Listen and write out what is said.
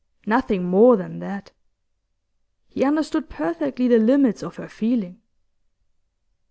Nothing more than that; he understood perfectly the limits of her feeling.